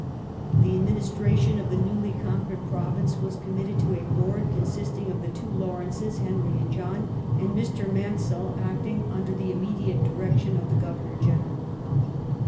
The administration of the newly conquered province was committed to a Board, consisting of the two Lawrences, Henry and John, and Mr. Mansel, acting under the immediate direction of the Governor General.